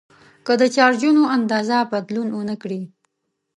که د چارجونو اندازه بدلون ونه کړي.